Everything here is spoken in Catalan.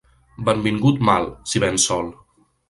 Benvingut mal, si vens sol.